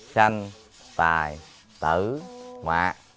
sanh tài tử mạc